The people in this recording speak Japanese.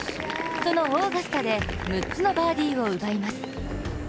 そのオーガスタで６つのバーディーを奪います。